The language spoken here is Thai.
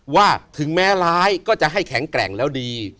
ถึงแม้ร้ายก็จะให้แข็งแกร่งแล้วดี